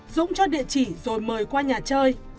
dũng cho địa chỉ rồi mời qua nhà chơi